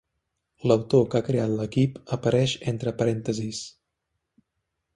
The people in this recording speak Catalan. L'autor que ha creat l'equip apareix entre parèntesis.